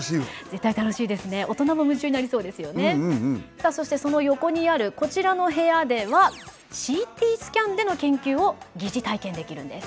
さあそしてその横にあるこちらの部屋ではＣＴスキャンでの研究を疑似体験できるんです。